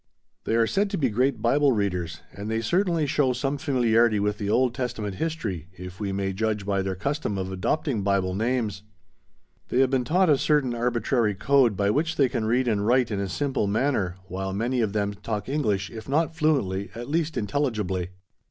They are said to be great Bible readers, and they certainly show some familiarity with the Old Testament history, if we may judge by their custom of adopting Bible names. They have been taught a certain arbitrary code by which they can read and write in a simple manner, while many of them talk English if not fluently at least intelligibly.